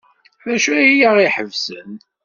D acu ay aɣ-iḥebsen?